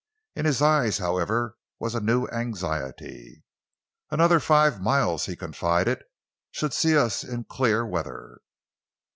In his eyes, however, was a new anxiety. "Another five miles," he confided, "should see us in clear weather."